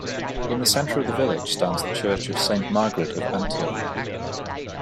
In the centre of the village stands the church of Saint Margaret of Antioch.